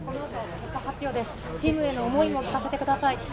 チームへの思いも聞かせてください。